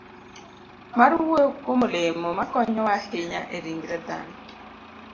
mar wuoyo kuom olemo makonyowa ahinya e ringre dhano,